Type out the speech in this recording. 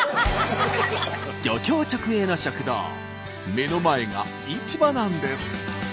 目の前が市場なんです。